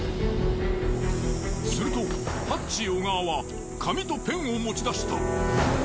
するとハッチー小川は紙とペンを持ち出した。